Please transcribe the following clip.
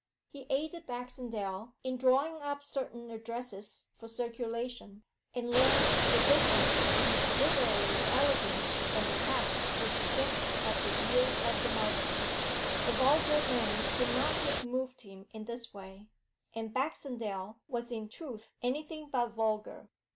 He aided Baxendale in drawing up certain addresses for circulation, and learned the difference between literary elegance and the tact which gets at the ear of the multitude. A vulgar man could not have moved him in this way, and Baxendale was in truth anything but vulgar.